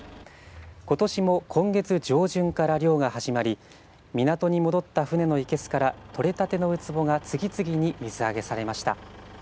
ことしも今月上旬から漁が始まり港に戻った船のいけすからとれたてのウツボが次々に水揚げされました。